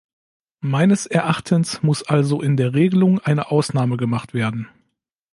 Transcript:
Meines Erachtens muss also in der Regelung eine Ausnahme gemacht werden.